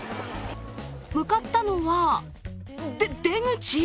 向かったのは、で、出口！？